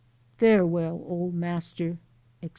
Farewell, ole master, etc.